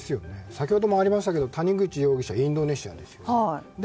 先ほどもありましたけど谷口容疑者はインドネシアですね。